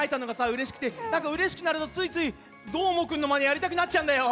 うれしくなるとついついどーもくんのマネやりたくなっちゃうんだよ。